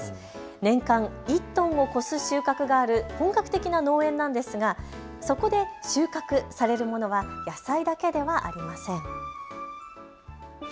年間１トンを超す収穫がある本格的な農園なんですがそこで収穫されるものは野菜だけではありません。